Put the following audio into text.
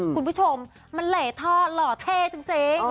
คุณผู้ชมมันเหลท่อหล่อเท่จริง